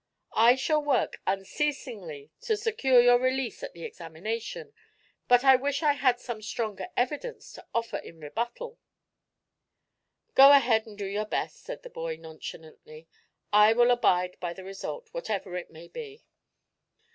"I shall work unceasingly to secure your release at the examination. But I wish I had some stronger evidence to offer in rebuttal." "Go ahead and do your best," said the boy, nonchalantly. "I will abide by the result, whatever it may be."